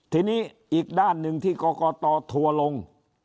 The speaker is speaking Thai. ทีนี้อีกด้านหนึ่งที่กงตถั่วลง